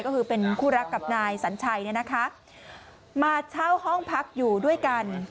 ก็คือเป็นคู่รักกับนายสัญชัยเนี่ยนะคะมาเช่าห้องพักอยู่ด้วยกัน